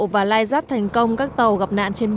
và lai giáp